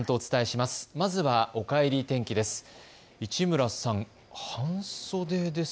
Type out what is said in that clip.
まずはおかえり天気です。